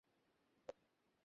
ভেবেছিলাম ছুটি পাচ্ছি।